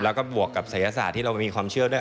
แล้วก็บวกกับศัยศาสตร์ที่เรามีความเชื่อด้วย